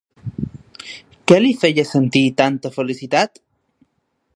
Què li feia sentir tanta felicitat?